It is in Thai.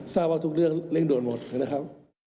ทราบว่าทุกเรื่องเร่งด่วนหมดนะครับ